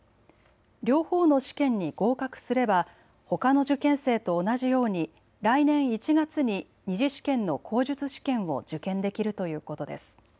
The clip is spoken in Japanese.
両方の試験に合格すればほかの受験生と同じように来年１月に２次試験の口述試験を受験できるということです。